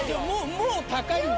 もう高いんだけど。